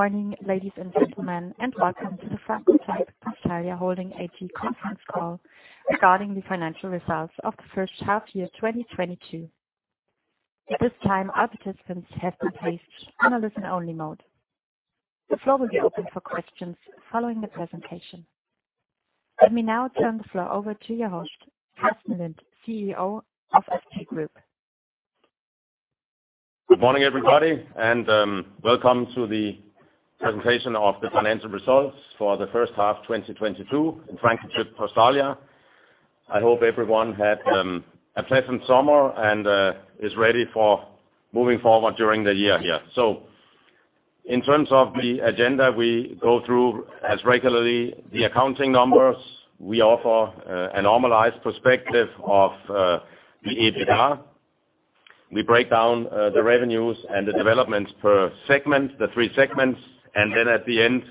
Morning, ladies and gentlemen, and welcome to the Francotyp-Postalia Holding AG conference call regarding the financial results of the H 1 year, 2022. At this time, all participants have been placed in a listen-only mode. The floor will be open for questions following the presentation. Let me now turn the floor over to your host, Carsten Lind, CEO of FP Group. Good morning, everybody, and welcome to the presentation of the financial results for the H 1, 2022 in Francotyp-Postalia. I hope everyone had a pleasant summer and is ready for moving forward during the year here. In terms of the agenda, we go through as regularly the accounting numbers. We offer a normalized perspective of the EBITDA. We break down the revenues and the developments per segment, the three segments, and then at the end,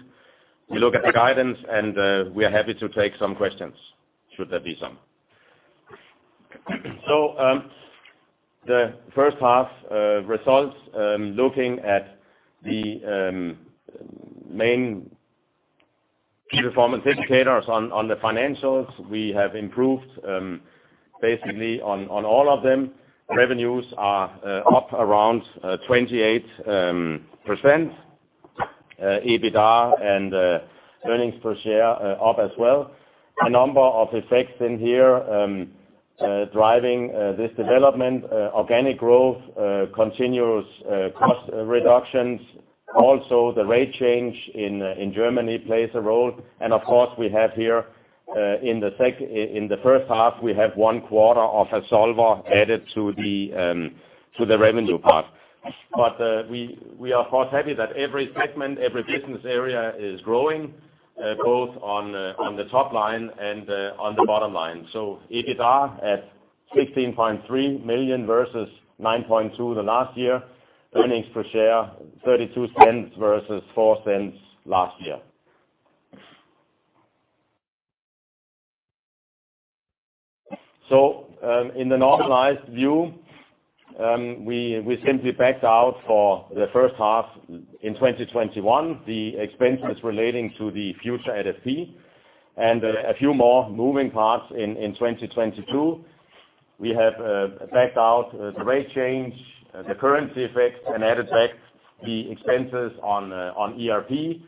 we look at the guidance and we are happy to take some questions should there be some. The H 1 results, looking at the main performance indicators on the financials, we have improved basically on all of them. Revenues are up around 28%. EBITDA and earnings per share up as well. A number of effects in here driving this development, organic growth, continuous cost reductions. Also, the rate change in Germany plays a role. Of course, in the H 1, we have one quarter of Azolver added to the revenue part. We are of course happy that every segment, every business area is growing both on the top line and on the bottom line. EBITDA at 16.3 million versus 9.2 million last year. Earnings per share 0.32 versus 0.04 last year. In the normalized view, we simply backed out for the H 1 in 2021, the expenses relating to the Freesort at FP and a few more moving parts in 2022. We have backed out the rate change, the currency effects, and added back the expenses on ERP,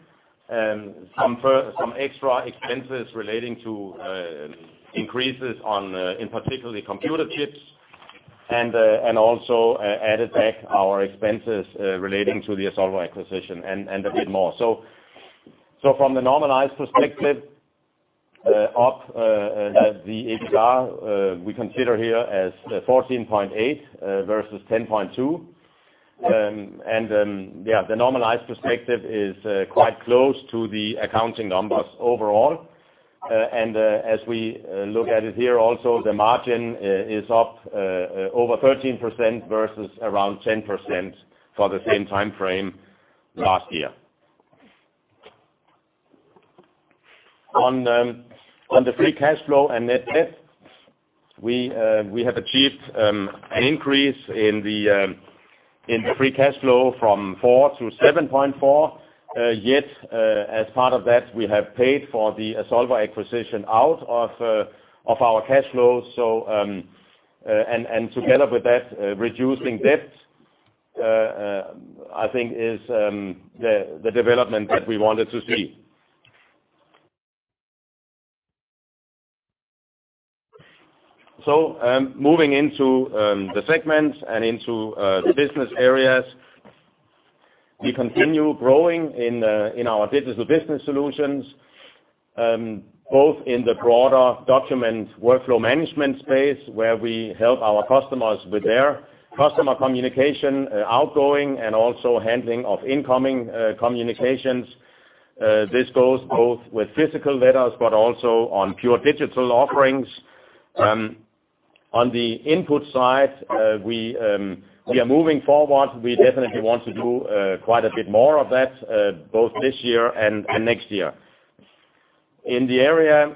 some extra expenses relating to increases in, particularly, computer chips, and also added back our expenses relating to the Azolver acquisition and a bit more. From the normalized perspective, the EBITDA we consider here as 14.8 versus 10.2. The normalized perspective is quite close to the accounting numbers overall. As we look at it here also, the margin is up over 13% versus around 10% for the same time frame last year. On the free cash flow and net debt, we have achieved an increase in the free cash flow from 4 to 7.4. Yet, as part of that, we have paid for the Azolver acquisition out of our cash flows. Together with that, reducing debt, I think, is the development that we wanted to see. Moving into the segments and into the business areas, we continue growing in our digital business solutions both in the broader document workflow management space, where we help our customers with their customer communication outgoing and also handling of incoming communications. This goes both with physical letters but also on pure digital offerings. On the input side, we are moving forward. We definitely want to do quite a bit more of that both this year and next year. In the area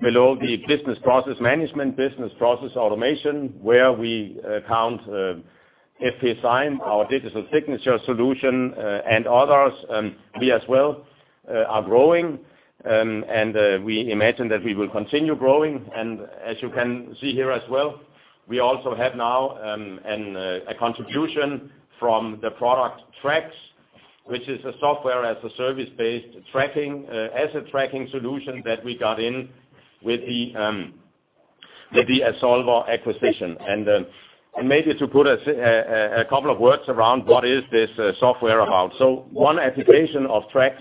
below the business process management, business process automation, where we count FP Sign, our digital signature solution and others, we as well are growing and we imagine that we will continue growing. As you can see here as well, we also have now a contribution from the product TRAXsuite, which is a software as a service-based asset tracking solution that we got in with the Azolver acquisition. Maybe to put a couple of words around what is this software about. One application of TRAXsuite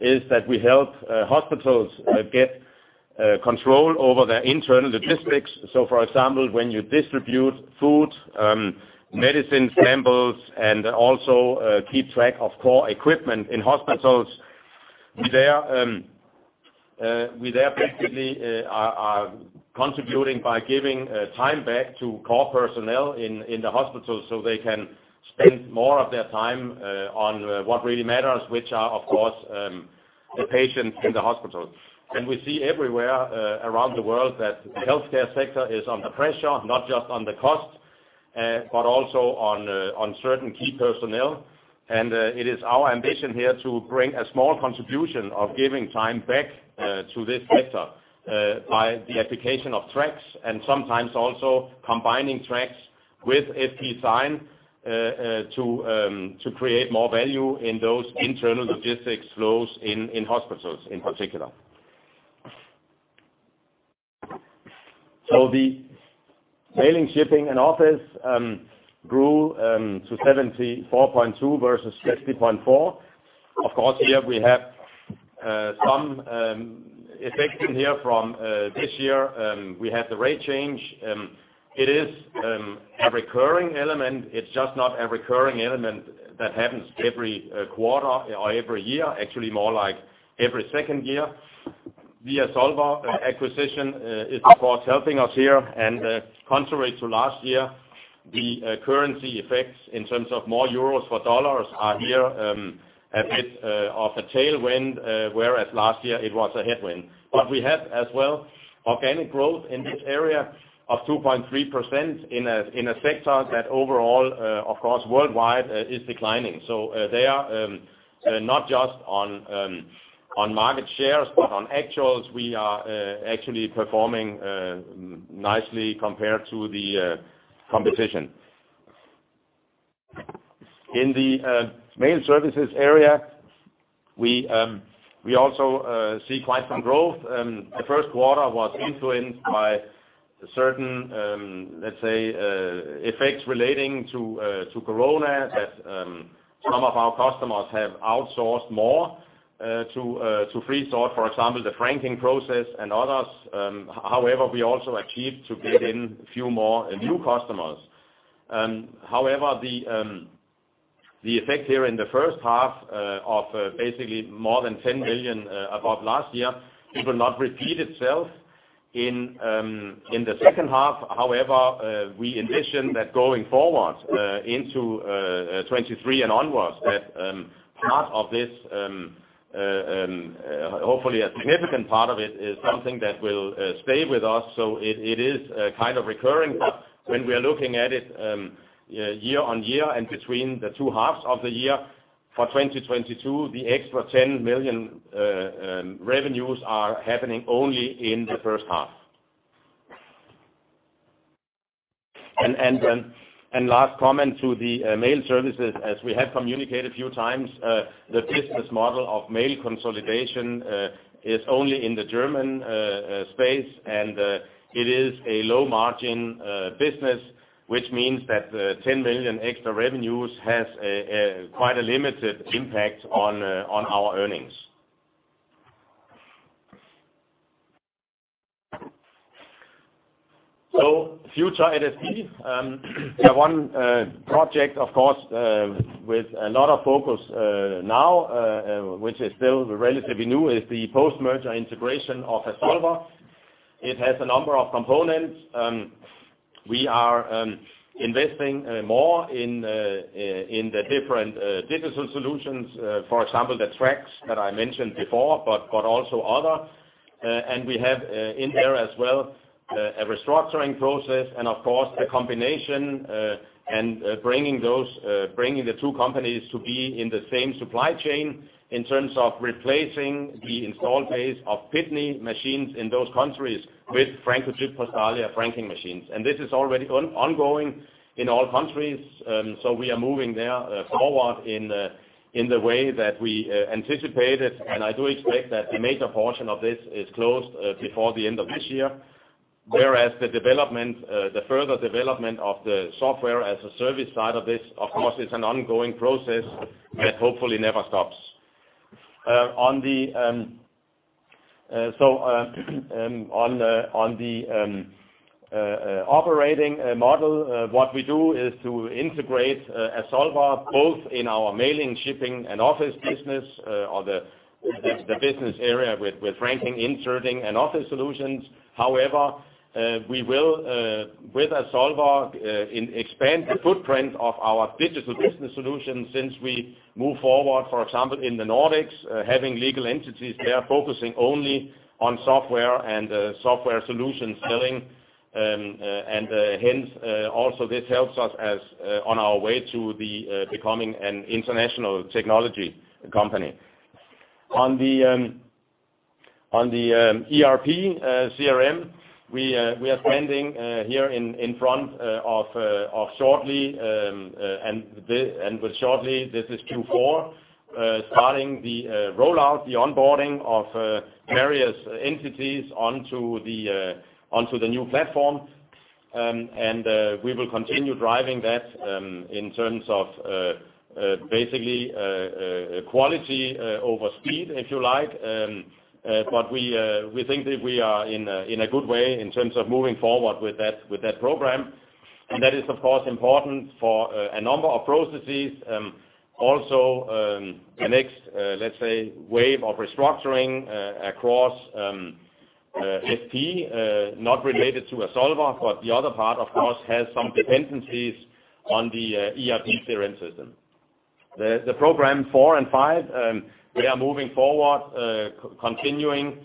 is that we help hospitals get control over their internal logistics. For example, when you distribute food, medicines, samples, and also keep track of core equipment in hospitals, we are basically contributing by giving time back to core personnel in the hospital so they can spend more of their time on what really matters, which are of course the patients in the hospital. We see everywhere around the world that the healthcare sector is under pressure, not just on the costs, but also on certain key personnel. It is our ambition here to bring a small contribution of giving time back to this sector by the application of TRAXsuite and sometimes also combining TRAXsuite with FP Sign to create more value in those internal logistics flows in hospitals in particular. The mailing, shipping, and office grew to 74.2 versus 60.4. Of course, here we have some effects in here from this year. We have the rate change. It is a recurring element. It's just not a recurring element that happens every quarter or every year, actually more like every second year. The Azolver acquisition is of course helping us here, and contrary to last year, the currency effects in terms of more euros for dollars are here a bit of a tailwind, whereas last year it was a headwind. We have as well organic growth in this area of 2.3% in a sector that overall, of course, worldwide, is declining. Not just on market shares, but on actuals, we are actually performing nicely compared to the competition. In the mail services area, we also see quite some growth. The Q1 was influenced by certain, let's say, effects relating to corona that some of our customers have outsourced more to Freesort, for example, the franking process and others. However, we also achieved to get in a few more new customers. However, the effect here in the H 1 of basically more than 10 million above last year, it will not repeat itself in the H2. However, we envision that going forward, into 2023 and onwards that, part of this, hopefully a significant part of it is something that will stay with us, so it is kind of recurring. When we are looking at it, year-on-year and between the two halves of the year, for 2022, the extra 10 million revenues are happening only in the H 1. Last comment to the mail services, as we have communicated a few times, the business model of mail consolidation is only in the German space, and it is a low-margin business, which means that 10 million extra revenues has a quite limited impact on our earnings. Future at FP, yeah, one project, of course, with a lot of focus now, which is still relatively new, is the post-merger integration of Azolver. It has a number of components. We are investing more in the different digital solutions, for example, the TRAXsuite that I mentioned before, but also other. We have in there as well a restructuring process and of course a combination, and bringing the two companies to be in the same supply chain in terms of replacing the installed base of Pitney Bowes machines in those countries with Francotyp-Postalia franking machines. This is already ongoing in all countries, so we are moving there forward in the way that we anticipated. I do expect that a major portion of this is closed before the end of this year, whereas the further development of the software as a service side of this, of course, is an ongoing process that hopefully never stops. On the operating model, what we do is to integrate Azolver both in our mailing, shipping, and office business, or the business area with franking, inserting, and office solutions. However, we will with Azolver expand the footprint of our digital business solutions as we move forward, for example, in the Nordics, having legal entities there focusing only on software and software solution selling. This helps us, as on our way to becoming an international technology company. On the ERP, CRM, we are standing here in front of shortly, and with shortly this is Q4 starting the rollout, the onboarding of various entities onto the new platform. We will continue driving that in terms of basically quality over speed, if you like. We think that we are in a good way in terms of moving forward with that program. That is, of course, important for a number of processes. Also, the next, let's say, wave of restructuring across FP, not related to Azolver, but the other part, of course, has some dependencies on the ERP CRM system. The program 4 and 5, we are moving forward, continuing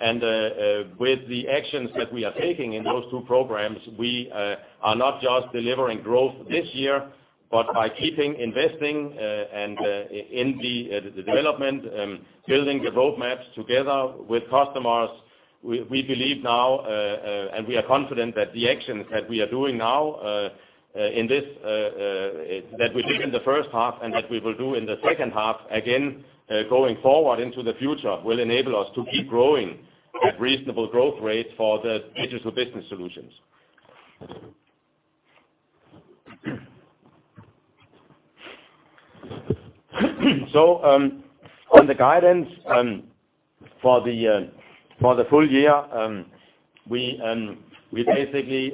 and with the actions that we are taking in those two programs, we are not just delivering growth this year, but by keeping investing and in the development, building the roadmaps together with customers, we believe now and we are confident that the actions that we are doing now in this that we did in the H 1 and that we will do in the H2, again, going forward into the future, will enable us to keep growing at reasonable growth rates for the digital business solutions. On the guidance for the full year, we basically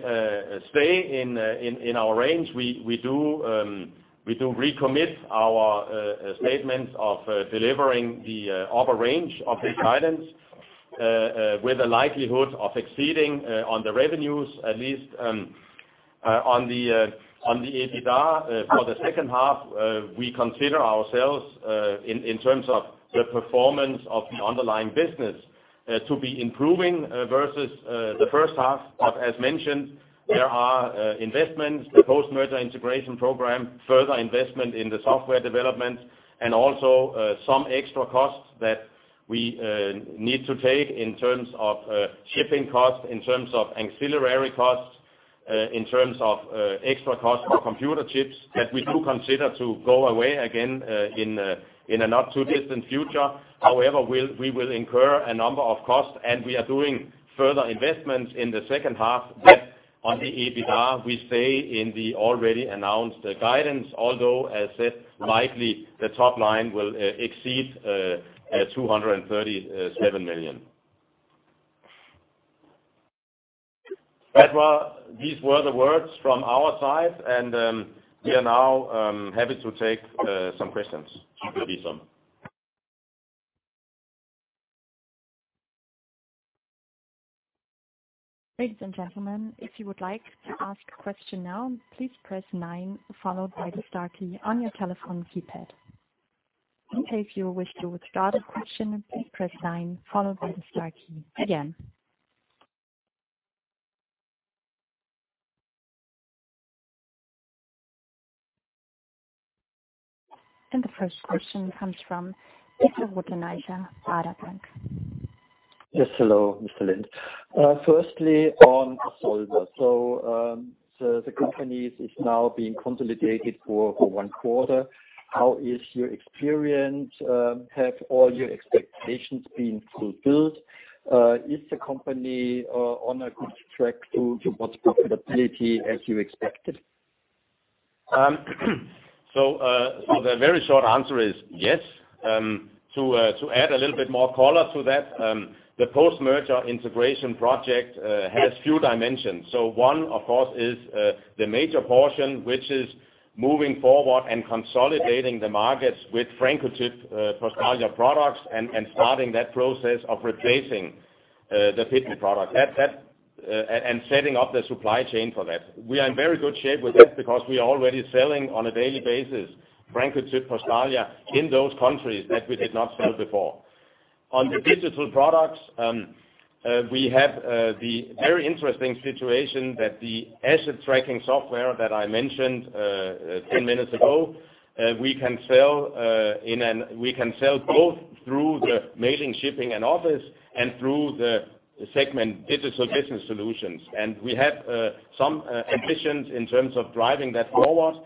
stay in our range. We do recommit our statement of delivering the upper range of the guidance with the likelihood of exceeding on the revenues, at least, on the EBITDA. For the H2, we consider ourselves in terms of the performance of the underlying business to be improving versus the H 1. As mentioned, there are investments, the post-merger integration program, further investment in the software development, and also some extra costs that we need to take in terms of shipping costs, in terms of ancillary costs, in terms of extra costs for computer chips that we do consider to go away again in a not too distant future. However, we will incur a number of costs, and we are doing further investments in the H2 that on the EBITDA we stay in the already announced guidance, although as said, likely the top line will exceed EUR 237 million. Petra, these were the words from our side, and we are now happy to take some questions. Ladies and gentlemen, if you would like to ask a question now, please press nine followed by the star key on your telephone keypad. If you wish to withdraw the question, please press nine followed by the star key again. The first question comes from Peter Eilering, Baader Bank. Yes. Hello, Mr. Lind. Firstly, on Azolver. The company is now being consolidated for 1 quarter. How is your experience? Have all your expectations been fulfilled? Is the company on a good track toward profitability as you expected? The very short answer is yes. To add a little bit more color to that, the post-merger integration project has a few dimensions. One, of course, is the major portion, which is moving forward and consolidating the markets with Francotyp-Postalia products and starting that process of replacing the Pitney Bowes product. That and setting up the supply chain for that. We are in very good shape with that because we are already selling on a daily basis Francotyp-Postalia in those countries that we did not sell before. On the digital products, we have the very interesting situation that the asset tracking software that I mentioned 10 minutes ago, we can sell. We can sell both through the mailing, shipping, and office and through the segment digital business solutions. We have some ambitions in terms of driving that forward.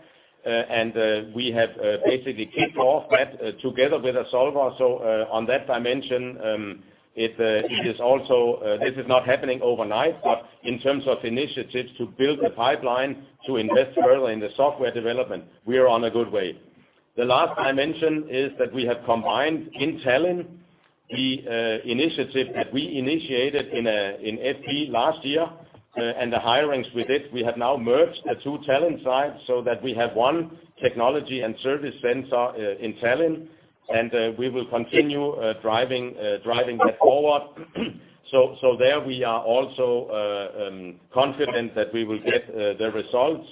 We have basically kicked off that together with Azolver. On that dimension, it is also. This is not happening overnight, but in terms of initiatives to build the pipeline to invest further in the software development, we are on a good way. The last I mentioned is that we have combined in Tallinn the initiative that we initiated in FP last year and the hirings with it. We have now merged the two Tallinn sides so that we have one technology and service center in Tallinn. We will continue driving that forward. There we are also confident that we will get the results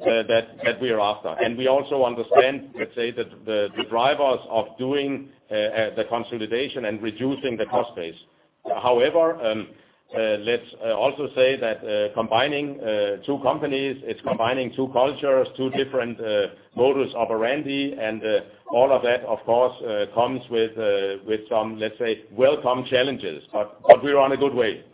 that we are after. We also understand, let's say, the drivers of doing the consolidation and reducing the cost base. However, let's also say that combining two companies is combining two cultures, two different modus operandi. All of that of course comes with some, let's say, welcome challenges, but we are on a good way.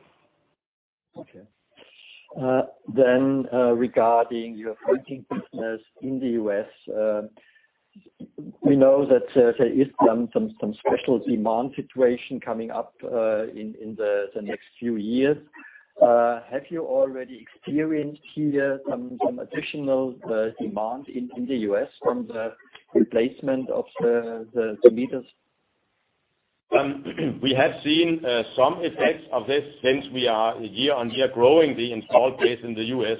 Regarding your printing business in the U.S., we know that there is some special demand situation coming up in the next few years. Have you already experienced here some additional demand in the U.S. from the replacement of the meters? We have seen some effects of this since we are year on year growing the installed base in the U.S..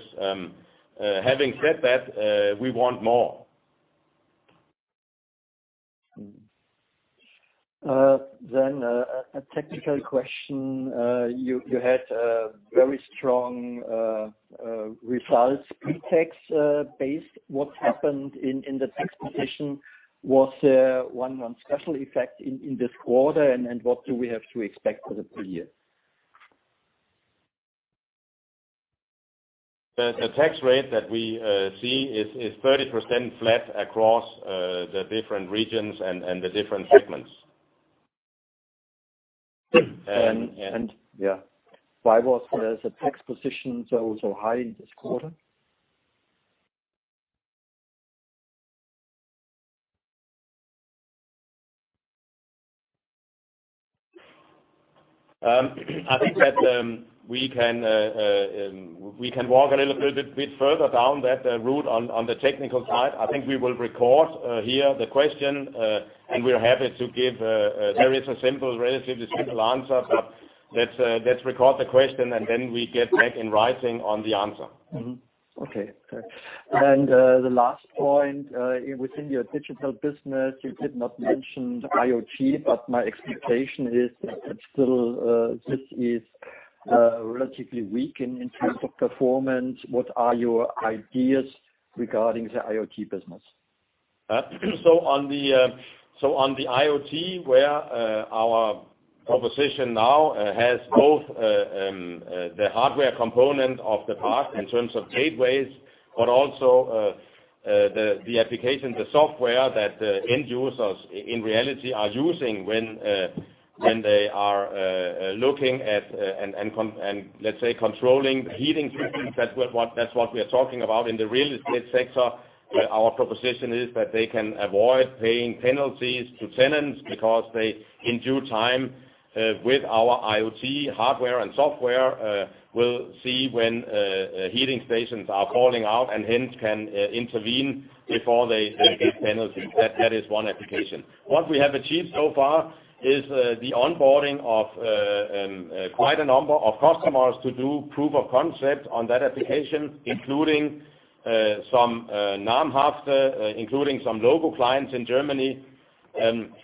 Having said that, we want more. A technical question. You had very strong results pre-tax basis. What happened in the tax position? Was one special effect in this quarter, and what do we have to expect for the full year? The tax rate that we see is 30% flat across the different regions and. Yeah. Why was the tax position so high this quarter? I think that we can walk a little bit further down that route on the technical side. I think we will record here the question, and we're happy to give a very simple, relatively simple answer. Let's record the question, and then we get back in writing on the answer. Okay. The last point within your digital business, you did not mention IoT, but my expectation is that it is still relatively weak in terms of performance. What are your ideas regarding the IoT business? On the IoT, where our proposition now has both the hardware component of the part in terms of gateways, but also the application, the software that the end users in reality are using when they are looking at and let's say controlling heating T-Systems. That's what we are talking about in the real estate sector, where our proposition is that they can avoid paying penalties to tenants because they, in due time, with our IoT hardware and software, will see when heating stations are falling out and hence can intervene before they get penalties. That is one application. What we have achieved so far is the onboarding of quite a number of customers to do proof of concept on that application, including some namhafte, including some local clients in Germany.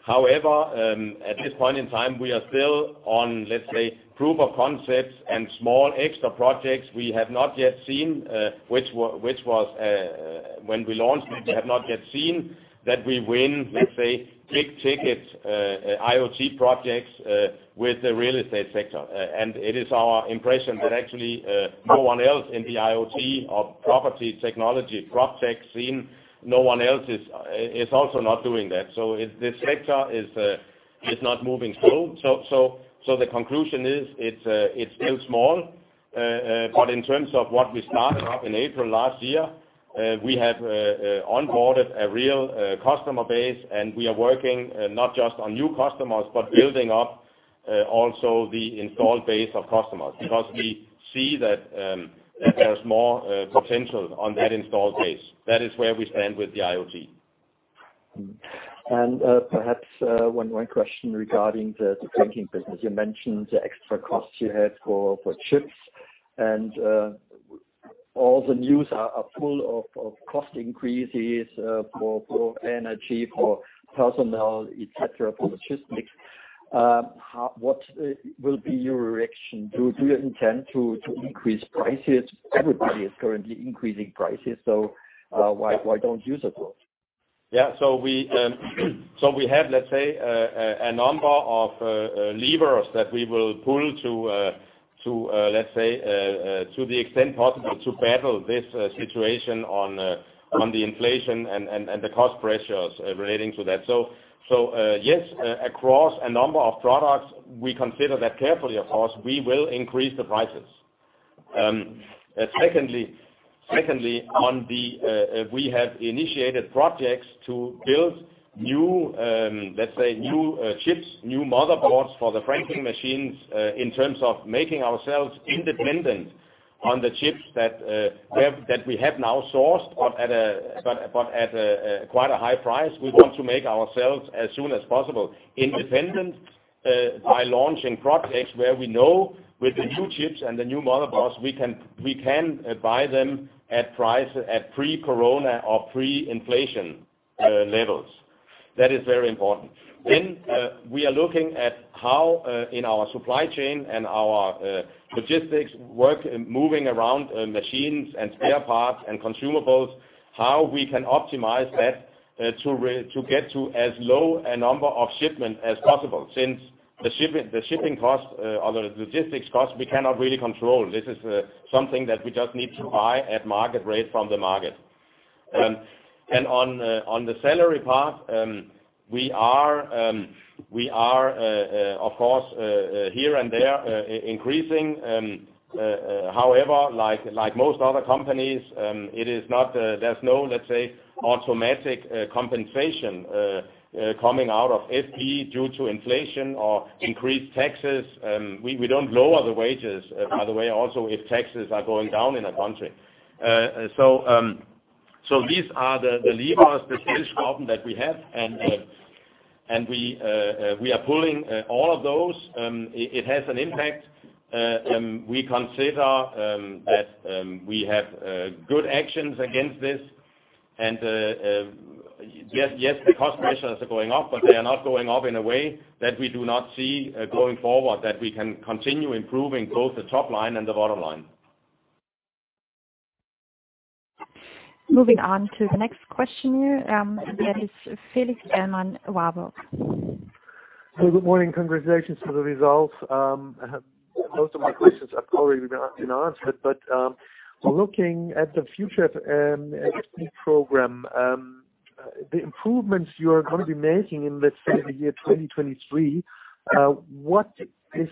However, at this point in time, we are still on, let's say, proof of concepts and small extra projects. We have not yet seen, when we launched, we have not yet seen that we win, let's say, big ticket IoT projects with the real estate sector. It is our impression that actually, no one else in the IoT or property technology, PropTech scene, no one else is also not doing that. It's this sector is not moving slow. The conclusion is it's still small. In terms of what we started up in April last year, we have onboarded a real customer base, and we are working not just on new customers, but building up also the installed base of customers because we see that there's more potential on that installed base. That is where we stand with the IoT. Perhaps one question regarding the printing business. You mentioned the extra costs you had for chips and all the news are full of cost increases for energy, for personnel, et cetera, for logistics. How, what will be your reaction? Do you intend to increase prices? Everybody is currently increasing prices, so why don't you as well? We have a number of levers that we will pull to the extent possible to battle this situation on the inflation and the cost pressures relating to that. Across a number of products, we consider that carefully, of course, we will increase the prices. Secondly, we have initiated projects to build new chips, new motherboards for the printing machines in terms of making ourselves independent on the chips that we have now sourced but at a quite high price. We want to make ourselves as soon as possible independent by launching projects where we know with the new chips and the new motherboards we can buy them at a price at pre-corona or pre-inflation levels. That is very important. We are looking at how in our supply chain and our logistics work moving around machines and spare parts and consumables how we can optimize that to get to as low a number of shipment as possible. Since the shipping cost or the logistics cost, we cannot really control. This is something that we just need to buy at market rate from the market. On the salary part, we are of course here and there increasing. However, like most other companies, it is not, there's no, let's say, automatic compensation coming out of FP due to inflation or increased taxes. We don't lower the wages, by the way, also, if taxes are going down in a country. So these are the levers, the toolbox that we have, and we are pulling all of those. It has an impact. We consider that we have good actions against this. Yes, the cost pressures are going up, but they are not going up in a way that we do not see, going forward, that we can continue improving both the top line and the bottom line. Moving on to the next question here, that is Felix Hermann. Good morning, congratulations for the results. Most of my questions have already been asked and answered. Looking at the future and program, the improvements you are gonna be making in this fiscal year 2023, what is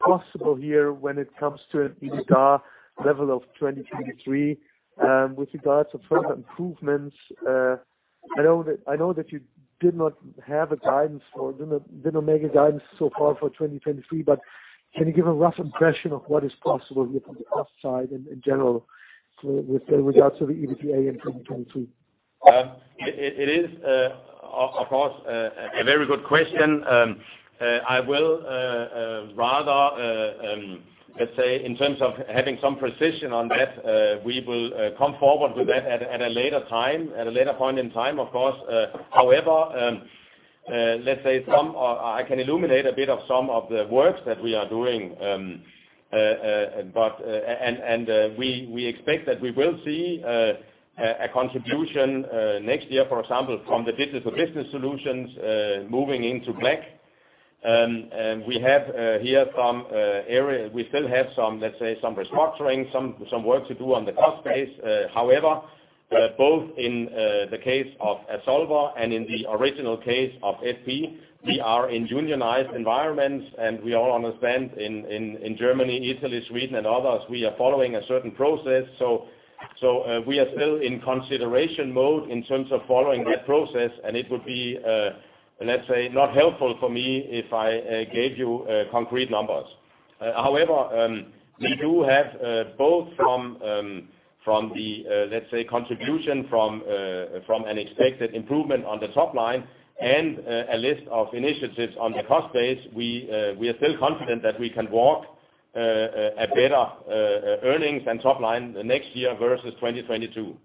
possible here when it comes to EBITDA level of 2023, with regards to further improvements? I know that you did not have a guidance or didn't make a guidance so far for 2023, but can you give a rough impression of what is possible here from the cost side in general with regards to the EBITDA in 2023? It is, of course, a very good question. I will rather let's say in terms of having some precision on that, we will come forward with that at a later time, at a later point in time, of course. However, let's say I can illuminate a bit of some of the works that we are doing, but we expect that we will see a contribution next year, for example, from the business-to-business solutions moving into black. We have here some. We still have some, let's say, some restructuring, some work to do on the cost base. However, both in the case of Azolver and in the original case of FP, we are in unionized environments, and we all understand in Germany, Italy, Sweden and others, we are following a certain process. We are still in consideration mode in terms of following that process, and it would be, let's say, not helpful for me if I gave you concrete numbers. However, we do have both from the, let's say, contribution from an expected improvement on the top line and a list of initiatives on the cost base, we are still confident that we can walk a better earnings and top line next year versus 2022.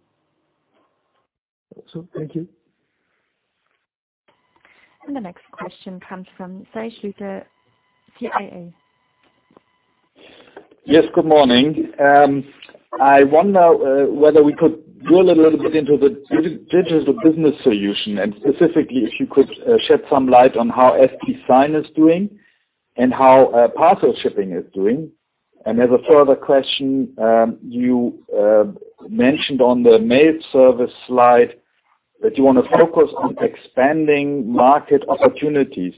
Thank you. The next question comes from Kai Schlüter, TIA. Yes, good morning. I wonder whether we could drill a little bit into the digital business solution and specifically if you could shed some light on how FP Sign is doing and how parcel shipping is doing. As a further question, you mentioned on the mail service slide that you wanna focus on expanding market opportunities.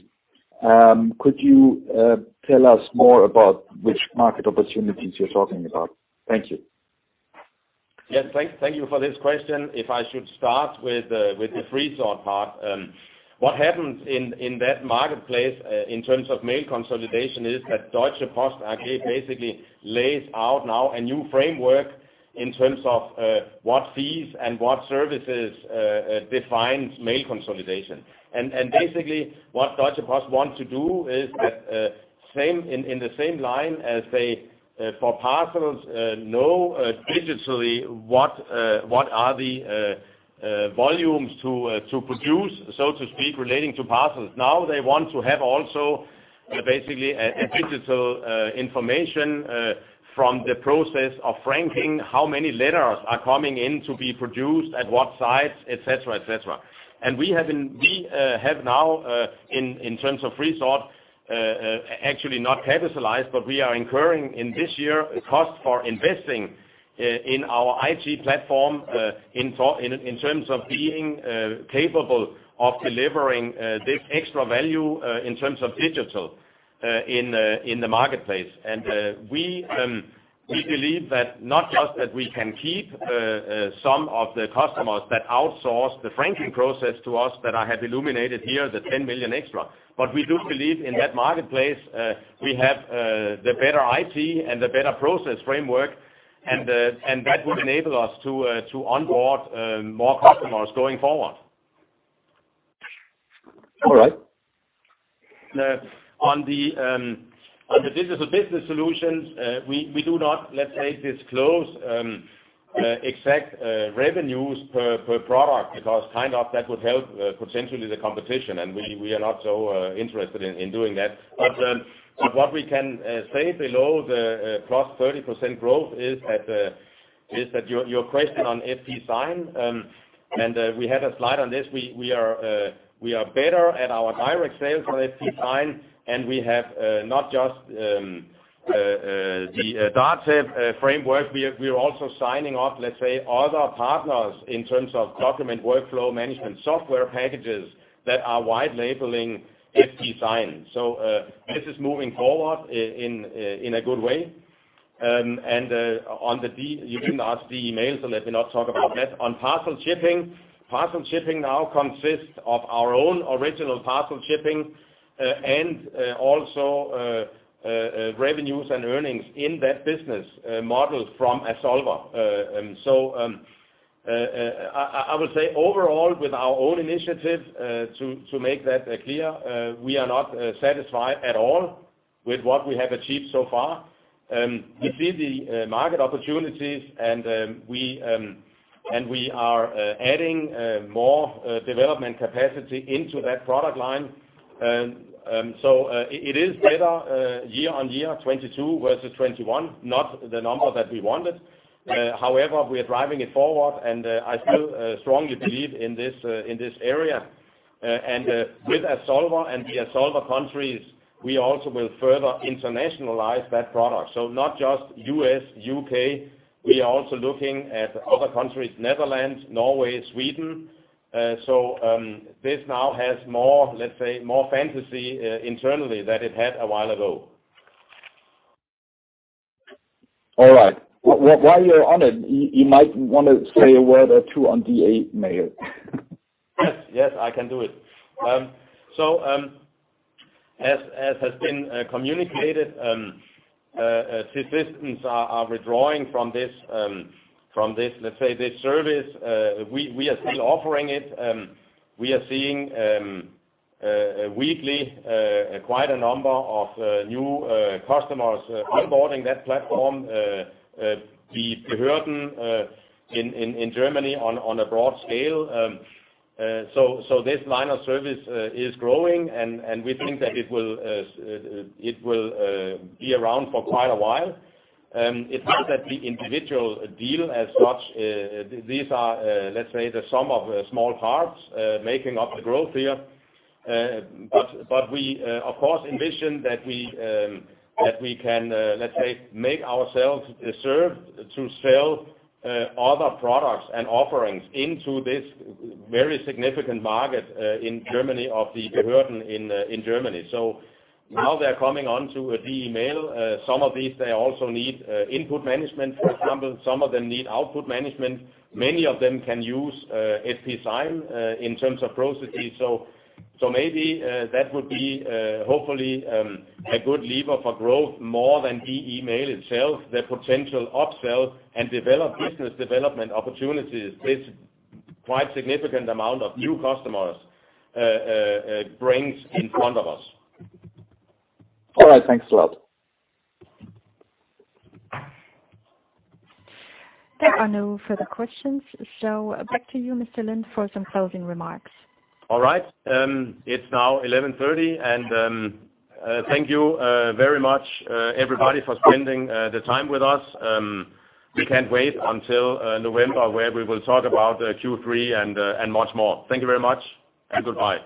Could you tell us more about which market opportunities you're talking about? Thank you. Yes, thank you for this question. If I should start with the Freesort part, what happens in that marketplace in terms of mail consolidation is that Deutsche Post AG basically lays out now a new framework in terms of what fees and what services defines mail consolidation. Basically what Deutsche Post wants to do is that same in the same line as, say, for parcels, no digitally what are the volumes to produce, so to speak, relating to parcels. Now they want to have also basically a digital information from the process of franking, how many letters are coming in to be produced at what size, et cetera. We have now in terms of Freesort actually not capitalized, but we are incurring in this year costs for investing in our IT platform in terms of being capable of delivering this extra value in terms of digital in the marketplace. We believe that not just that we can keep some of the customers that outsource the franking process to us that I have illuminated here, the 10 million extra, but we do believe in that marketplace, we have the better IT and the better process framework, and that would enable us to onboard more customers going forward. All right. On the business-to-business solutions, we do not, let's say, disclose exact revenues per product because kind of that would help potentially the competition, and we are not so interested in doing that. What we can say below the plus 30% growth is at your question on FP Sign, and we had a slide on this. We are better at our direct sales for FP Sign, and we have not just the d.velop framework. We are also signing up, let's say, other partners in terms of document workflow management software packages that are white labeling FP Sign. This is moving forward in a good way. On the D, you didn't ask the emails, so let me not talk about that. On parcel shipping, parcel shipping now consists of our own original parcel shipping and also revenues and earnings in that business model from Azolver. I will say overall with our own initiative to make that clear, we are not satisfied at all with what we have achieved so far. We see the market opportunities and we are adding more development capacity into that product line. It is better year-on-year, 2022 versus 2021, not the number that we wanted. Right. However, we are driving it forward, and I still strongly believe in this area. With Azolver and the Azolver countries, we also will further internationalize that product. Not just US, UK, we are also looking at other countries, Netherlands, Norway, Sweden. This now has more, let's say, more fantasy internally than it had a while ago. All right. While you're on it, you might wanna say a word or two on De-Mail. Yes. Yes, I can do it. As has been communicated, systems are withdrawing from this, let's say, this service. We are still offering it. We are seeing weekly quite a number of new customers onboarding that platform, the Behörden in Germany on a broad scale. This line of service is growing and we think that it will be around for quite a while. It helps that the individual deals add up, these are, let's say, the sum of small parts making up the growth here. We of course envision that we can, let's say, make ourselves serve to sell other products and offerings into this very significant market in Germany of the Behörden in Germany. Now they're coming onto a De-Mail. Some of these, they also need input management, for example. Some of them need output management. Many of them can use FP Sign in terms of processes. Maybe that would be hopefully a good lever for growth more than De-Mail itself, the potential upsell and d.velop business development opportunities this quite significant amount of new customers brings in front of us. All right. Thanks a lot. There are no further questions. Back to you, Mr. Lind, for some closing remarks. All right. It's now 11:30 A.M., thank you very much, everybody, for spending the time with us. We can't wait until November, where we will talk about Q3 and much more. Thank you very much and goodbye.